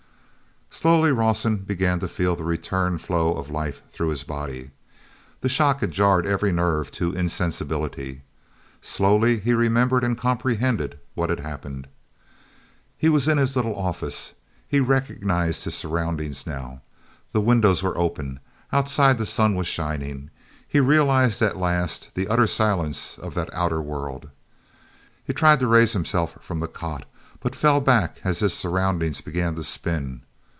Slowly Rawson began to feel the return flow of life through his body; the shock had jarred every nerve to insensibility. Slowly he remembered and comprehended what had happened. He was in his little office; he recognized his surroundings now. The windows were open. Outside the sun was shining. He realized at last the utter silence of that outer world. He tried to raise himself from the cot, but fell back as his surroundings began to spin.